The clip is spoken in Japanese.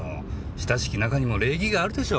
親しき仲にも礼儀があるでしょ。